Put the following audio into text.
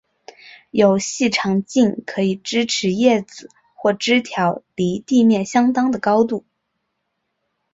有细长茎可以支持叶子或枝条离地面相当的高度。